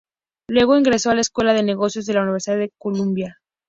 Luego ingresó a la Escuela de negocios de la Universidad de Columbia.